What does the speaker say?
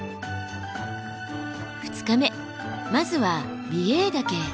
２日目まずは美瑛岳へ。